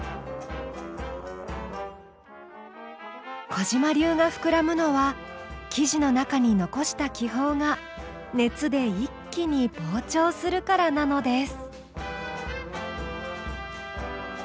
小嶋流が膨らむのは生地の中に残した気泡が熱で一気に膨張するからなのです。